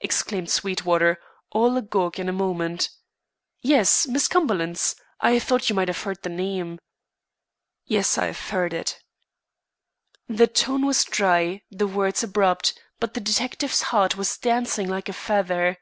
exclaimed Sweetwater, all agog in a moment. "Yes, Miss Cumberland's. I thought you might have heard the name." "Yes, I've heard it." The tone was dry, the words abrupt, but the detective's heart was dancing like a feather.